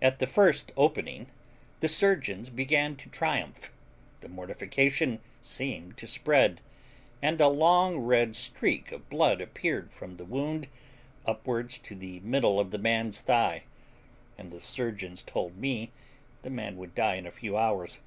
At the first opening the surgeons began to triumph; the mortification seemed to spread, and a long red streak of blood appeared from the wound upwards to the middle of the man's thigh, and the surgeons told me the man would die in a few hours.